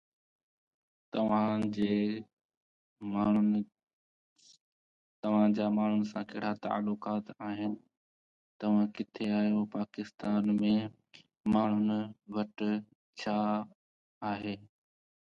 He taught himself the Basque language.